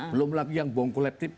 belum lagi yang bom kolektif